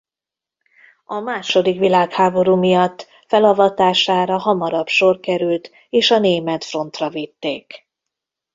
A második világháború miatt felavatására hamarabb sor került és a német frontra vitték.